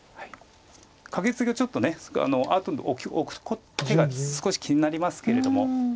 カケツギはちょっとあとのオク手が少し気になりますけれども。